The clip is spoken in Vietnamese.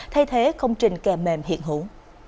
thay thế không trình kè mềm hiện hữu